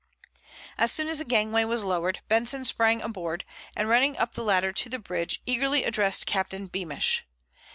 As soon as the gangway was lowered, Benson sprang aboard, and running up the ladder to the bridge, eagerly addressed Captain Beamish.